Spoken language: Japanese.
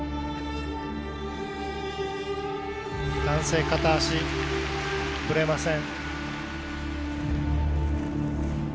男性片足ぶれません。